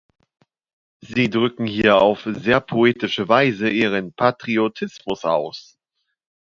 Sie drücken hier auf sehr poetische Weise ihren Patriotismus aus.